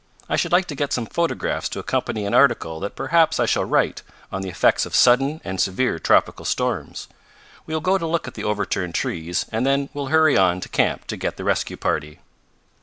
I should like to get some photographs to accompany an article that perhaps I shall write on the effects of sudden and severe tropical storms. We will go to look at the overturned trees and then we'll hurry on to camp to get the rescue party."